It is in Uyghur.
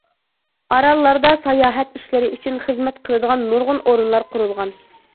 ئاراللاردا ساياھەت ئىشلىرى ئۈچۈن خىزمەت قىلىدىغان نۇرغۇن ئورۇنلار قۇرۇلغان.